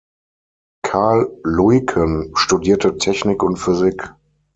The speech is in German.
Karl Luyken studierte Technik und Physik.